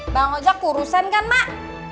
bang ojek urusan kan mak